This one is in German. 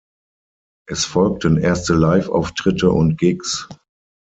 Es folgten erste Liveauftritte und Gigs.